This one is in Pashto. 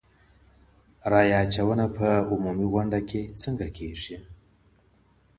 رایه اچونه په عمومي غونډه کي څنګه کیږي؟